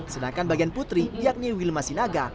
sedangkan bagian putri yakni wilma sinaga